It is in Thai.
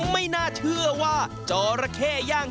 ไม่น่าเชื่อว่าจอระเข้ย่าง